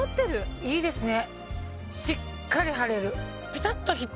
いいですね。